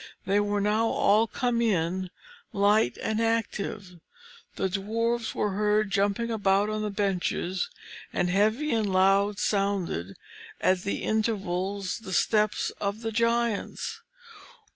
They were now all come in, light and active; the Dwarfs were heard jumping about on the benches, and heavy and loud sounded at intervals the steps of the giants.